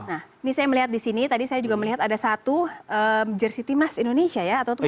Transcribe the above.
nah ini saya melihat di sini tadi saya juga melihat ada satu jersi timnas indonesia ya